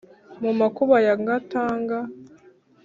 Mu makuba ya Gatanga